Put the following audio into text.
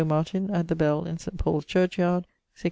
Martyn, at the Bell in St. Paul's church yard, 1676.